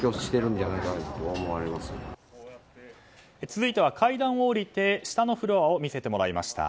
続いては階段を下りて下のフロアを見せてもらいました。